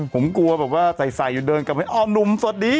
ผมกลัวแบบว่าใส่อยู่เดินกลับไปอ้อนุ่มสวัสดี